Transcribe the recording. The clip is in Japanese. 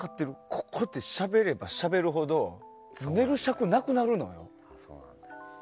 ここってしゃべればしゃべるほど寝る尺なくなるのよ。